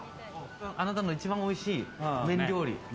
あなたの一番おいしい麺料理。